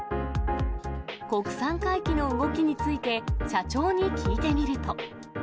国産回帰の動きについて社長に聞いてみると。